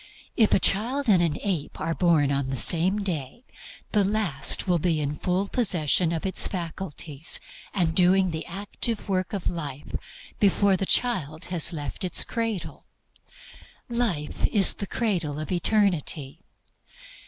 If a child and an ape are born on the same day, the last will be in full possession of its faculties and doing the active work of life before the child has left its cradle. Life is the cradle of eternity.